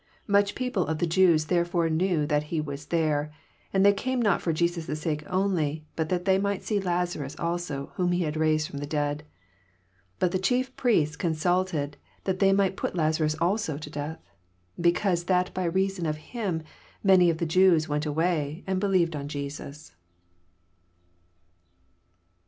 9 Much people of the Jews ^erefore knew that he was there: and they came not for Jesus' sake only, but that they might see Lazarus also, whom he had raised from the dead. 10 But the chief priests consulted that they might put Lasarus also to death ;, 11 Because that by reason of him, many of the Jews went away, and belieyed on Jesus.